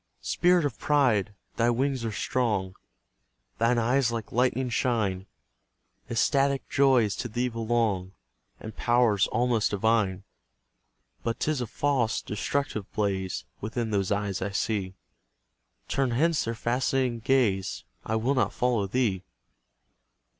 Spirit of Pride! thy wings are strong, Thine eyes like lightning shine; Ecstatic joys to thee belong, And powers almost divine. But 'tis a false, destructive blaze Within those eyes I see; Turn hence their fascinating gaze; I will not follow thee.